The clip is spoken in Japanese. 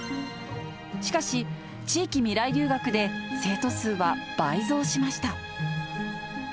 しかし、地域みらい留学で、生徒数は倍増しました。